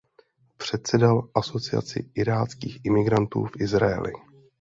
Předsedal "Asociaci iráckých imigrantů v Izraeli".